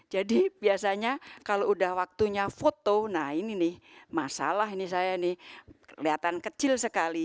jadi biasanya kalau sudah waktunya foto nah ini nih masalah ini saya nih kelihatan kecil sekali